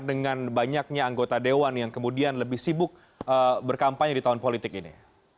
dengan banyaknya anggota dewan yang kemudian lebih sibuk berkampanye di tahun politik ini